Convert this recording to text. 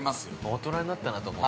◆大人になったなと思う。